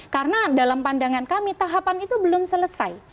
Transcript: karena dalam pandangan kami tahapan itu belum selesai